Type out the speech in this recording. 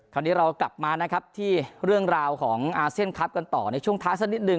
คราวนี้เรากลับมานะครับที่เรื่องราวของอาเซียนคลับกันต่อในช่วงท้ายสักนิดหนึ่ง